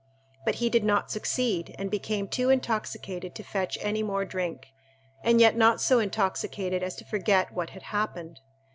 But he did not succeed, and became too intoxicated to fetch any more drink, and yet not so intoxicated as to forget what had happened.